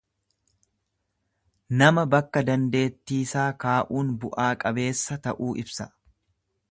Nama bakka dandeettiisaa kaa'uun bu'aa qabeessa ta'uu ibsa.